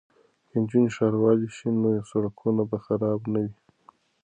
که نجونې ښاروالې شي نو سړکونه به خراب نه وي.